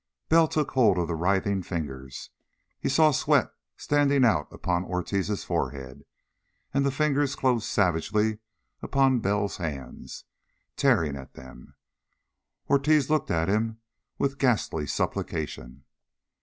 Bill took hold of the writhing fingers. He saw sweat standing out upon Ortiz's forehead. And the fingers closed savagely upon Bell's hands, tearing at them. Ortiz looked at him with a ghastly supplication.